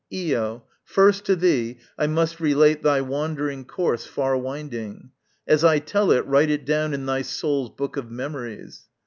Io, first To thee I must relate thy wandering course Far winding. As I tell it, write it down In thy soul's book of memories.